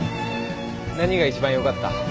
何が一番よかった？